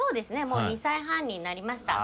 もう２歳半になりました。